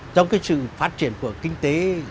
trong cái sự phát triển của kinh tế